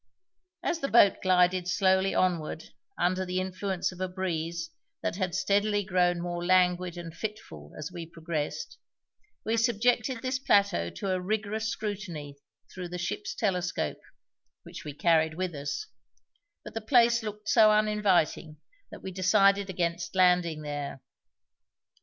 As the boat glided slowly onward under the influence of a breeze that had steadily grown more languid and fitful as we progressed, we subjected this plateau to a rigorous scrutiny through the ship's telescope, which we carried with us, but the place looked so uninviting that we decided against landing there.